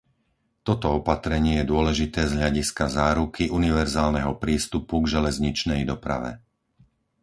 Toto opatrenie je dôležité z hľadiska záruky univerzálneho prístupu k železničnej doprave.